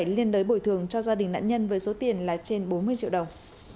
liên đối bồi thường cho gia đình nạn nhân với số tiền là trên bốn mươi triệu đồng